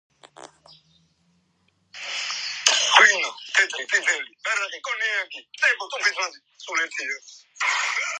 სამეცნიერო საბჭოს თავმჯდომარეა თბილისის სასულიერო აკადემიისა და სემინარიის რექტორი.